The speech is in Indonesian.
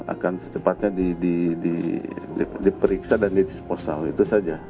akan secepatnya diperiksa dan didisposal itu saja